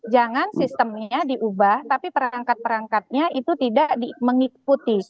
jangan sistemnya diubah tapi perangkat perangkatnya itu tidak mengikuti